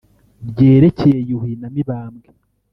Ryerekeye Yuhi na Mibambwe !